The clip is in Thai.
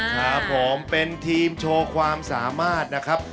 ครับผมเป็นทีมโชว์ความสามารถนะครับ